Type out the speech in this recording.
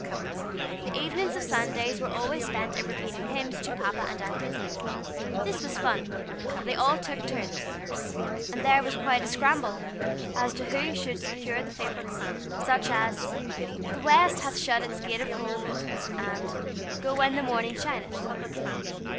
The evenings of Sunday were always spent in repeating hymns to Papa and Aunt Izzie. This was fun, for they all took turns, and there was quite a scramble as to who should secure the favorites, such as, "The west hath shut its gate of gold," and "Go when the morning shineth."